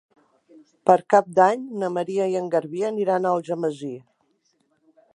Per Cap d'Any na Maria i en Garbí aniran a Algemesí.